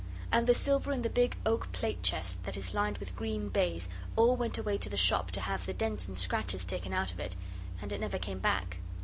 And the silver in the big oak plate chest that is lined with green baize all went away to the shop to have the dents and scratches taken out of it, and it never came back.